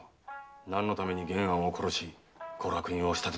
何のために玄庵を殺しご落胤を仕立てたのだ。